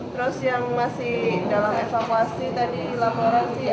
terus yang masih dalam evakuasi